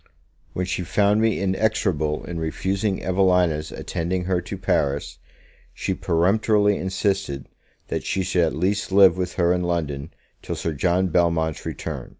When she found me inexorable in refusing Evelina's attending her to Paris, she peremptorily insisted that she should at least live with her in London till Sir John Belmont's return.